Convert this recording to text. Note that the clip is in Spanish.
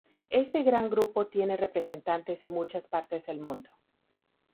Este gran grupo tiene representantes en muchas partes del mundo.